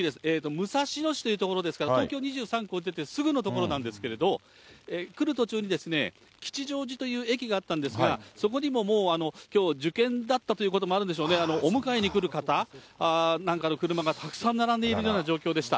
武蔵野市という所ですから、東京２３区を出てすぐの所なんですけれど、来る途中に吉祥寺という駅があったんですが、そこにももう、きょう受験だったということもあるんでしょうね、お迎えに来る方なんかの車がたくさん並んでいるような状況でした。